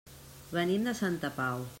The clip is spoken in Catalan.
Venim de Santa Pau.